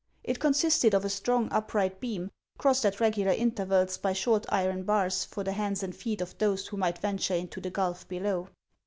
It consisted of a strong upright beam, crossed at regular intervals by short iron bars for the hands and feet of those who might venture into the gulf below.